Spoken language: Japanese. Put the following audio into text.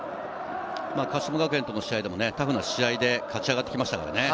鹿島学園との試合でも勝ち上がってきましたからね。